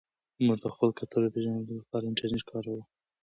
موږ د خپل کلتور د پېژندلو لپاره انټرنیټ کاروو.